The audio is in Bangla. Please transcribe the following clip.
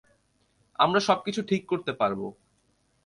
আমরা সবকিছু ঠিক করতে পারবো।